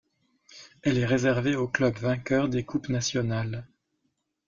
Elle est réservée aux clubs vainqueurs des coupes nationales.